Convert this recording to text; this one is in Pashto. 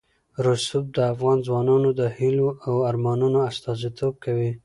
رسوب د افغان ځوانانو د هیلو او ارمانونو استازیتوب کوي.